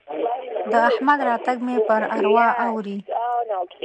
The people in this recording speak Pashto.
د احمد راتګ مې پر اروا اوري.